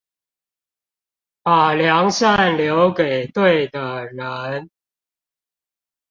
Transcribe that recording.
把良善留給對的人